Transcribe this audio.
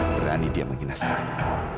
berani dia menghina saya